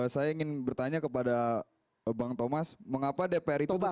saya ingin bertanya kepada bang thomas mengapa dpr itu tidak